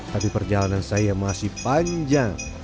tapi perjalanan saya masih panjang